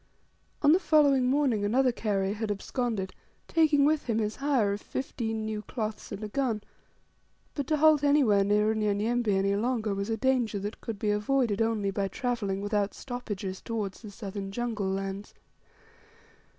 On the following morning another carrier had absconded, taking with him his hire of fifteen new cloths and a gun but to halt anywhere near Unyanyembe any longer was a danger that could be avoided only by travelling without stoppages towards the southern jungle lands.